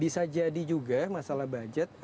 bisa jadi juga masalah budget